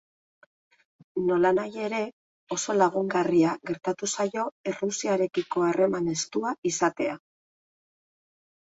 Nolanahi ere, oso lagungarriak gertatu zaio Errusiarekiko harreman estua izatea.